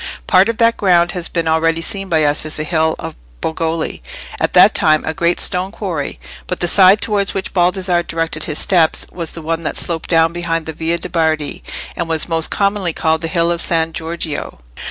Part of that ground has been already seen by us as the hill of Bogoli, at that time a great stone quarry; but the side towards which Baldassarre directed his steps was the one that sloped down behind the Via de' Bardi, and was most commonly called the hill of San Giorgio.